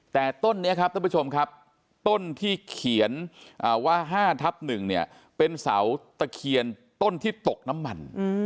แต่ต้นนี้ครับท่านผู้ชมครับต้นที่เขียนว่า๕ทับ๑เนี่ยเป็นเสาตะเคียนต้นที่ตกน้ำมัน